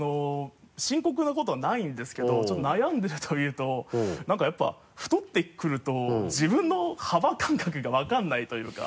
深刻なことはないんですけどちょっと悩んでると言うと何かやっぱ太ってくると自分の幅感覚が分からないというか。